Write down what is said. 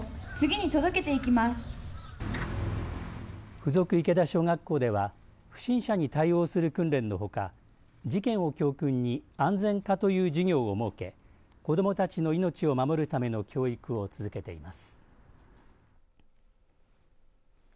附属池田小学校では不審者に対応する訓練のほか事件を教訓に安全科という授業を設け子どもたちの命を守るための教育を続けています。